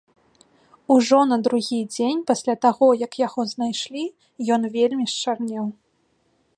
Ужо на другі дзень пасля таго, як яго знайшлі, ён вельмі счарнеў.